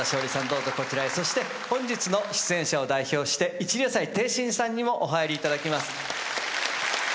どうぞこちらへそして本日の出演者を代表して一龍斎貞心さんにもお入りいただきます。